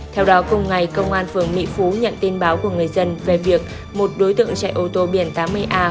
theo đó cùng ngày công an phường mỹ phú nhận tin báo của người dân về việc một đối tượng chạy ô tô biển tám mươi a bảy nghìn chín trăm chín mươi bảy